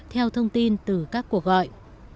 theo thông tin từ các cuộc gọi